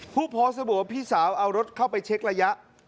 ผู้โพสต์ระบุว่าพี่สาวเอารถเข้าไปเช็กระยะ